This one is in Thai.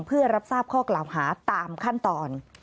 เพื่อรับทราบข้อกล่าวหาตามขั้นตอน